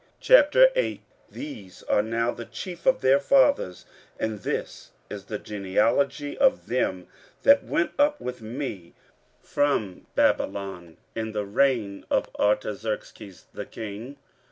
15:008:001 These are now the chief of their fathers, and this is the genealogy of them that went up with me from Babylon, in the reign of Artaxerxes the king.